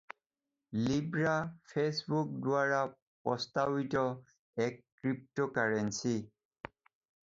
"Libra" Facebook দ্বাৰা প্ৰস্তাৱিত এক ক্ৰিপ্ট'কাৰেঞ্চী।